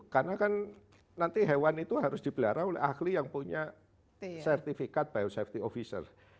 karena kan nanti hewan itu harus dibelahara oleh ahli yang punya sertifikat biosafety officer